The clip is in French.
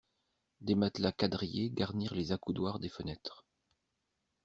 Des matelas quadrillés garnirent les accoudoirs des fenêtres.